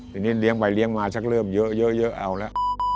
เลยเลี้ยงไปเลี้ยงมาชักเริ่มเยอะเอ้าแล้ว